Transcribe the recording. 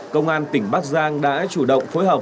công an tỉnh bắc giang đã chủ động phối hợp